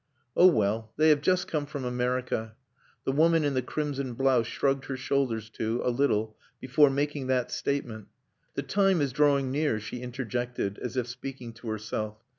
"Oh, well, they have just come from America." The woman in the crimson blouse shrugged her shoulders too a little before making that statement. "The time is drawing near," she interjected, as if speaking to herself.